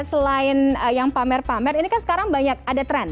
selain yang pamer pamer ini kan sekarang banyak ada tren